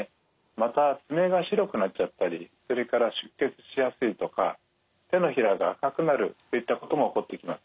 また爪が白くなっちゃったりそれから出血しやすいとか手のひらが赤くなるといったことも起こってきます。